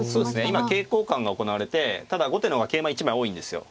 今桂交換が行われてただ後手の方が桂馬１枚多いんですよ。